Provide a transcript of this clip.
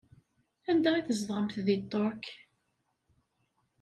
Anda i tzedɣemt deg Ṭṭerk?